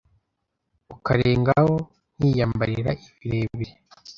ukarengaho nkiyambarira ibirebire,